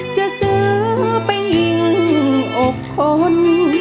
จะซื้อไปยิงอกคน